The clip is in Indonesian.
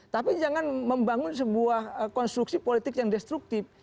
tapi jangan membangun sebuah konstruksi politik yang destruktif